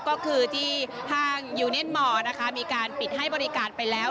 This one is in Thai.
ก็คือทางยูเนสมอล์มีการปิดให้บริการไปแล้ว